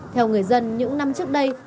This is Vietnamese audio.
theo người dân những năm trước đây